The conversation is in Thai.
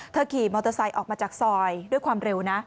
ขี่มอเตอร์ไซค์ออกมาจากซอยด้วยความเร็วนะ